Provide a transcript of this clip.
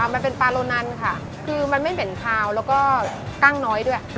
มันเป็นปาโลนันค่ะคือมันไม่เหม็นคาวแล้วก็กล้างน้อยด้วย